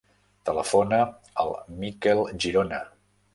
Telefona al Mikel Girona.